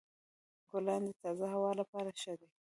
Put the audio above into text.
ګلان د تازه هوا لپاره ښه دي.